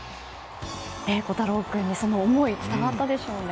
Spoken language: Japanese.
虎太郎君に、その思い伝わったでしょうね。